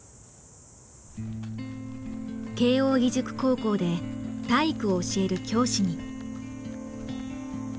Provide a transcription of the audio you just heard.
慶應義塾高校で体育を教える教師に。